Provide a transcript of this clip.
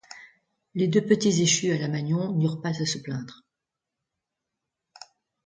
Les deux petits échus à la Magnon n’eurent pas à se plaindre.